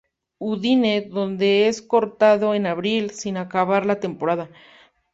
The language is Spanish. Udine donde es cortado en abril, sin acabar la temporada.